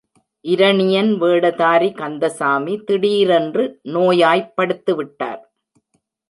இரணியன் வேடதாரி கந்தசாமி திடீரென்று நோயாய்ப் படுத்துவிட்டார்.